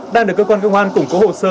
đang được cơ quan công an củng cố hồ sơ